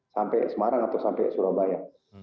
sampai semarang atau sampai surabaya